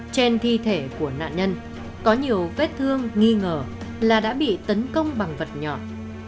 trên thi thể của nạn nhân có nhiều vết thương nghi ngờ là đã bị tấn công bằng vật nhọn